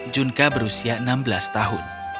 junka berusia enam belas tahun